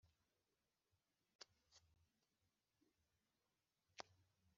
ubuzima bwanjye bwaba bumeze bute, bugufashe hafi yanjye